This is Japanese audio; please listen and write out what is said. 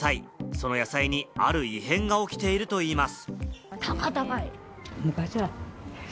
その野菜にある異変が起きているといいます。